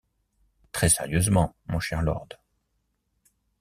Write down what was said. Très-sérieusement, mon cher lord.